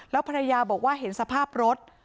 แล้วภรรยาบอกว่าเห็นสภาพรถ